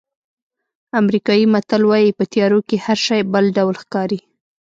امریکایي متل وایي په تیارو کې هر شی بل ډول ښکاري.